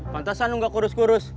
pantesan lu gak kurus kurus